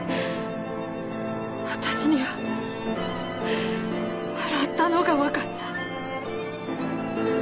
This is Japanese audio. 私には笑ったのがわかった。